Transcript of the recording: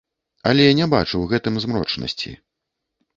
Але я не бачу ў гэтым змрочнасці.